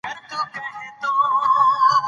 هغه د جنګ جګړو د برعکس ځان ژغوري.